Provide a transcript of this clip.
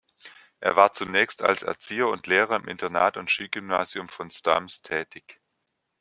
Er war zunächst als Erzieher und Lehrer im Internat und Skigymnasium von Stams tätig.